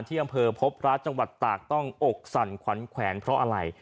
อำเภอพบพระจังหวัดตากต้องอกสั่นขวัญแขวนเพราะอะไร